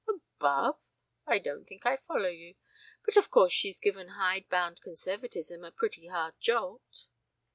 "Above? I don't think I follow you. But of course she's given hide bound conservatism a pretty hard jolt."